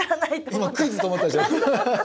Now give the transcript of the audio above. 今クイズと思ったでしょ。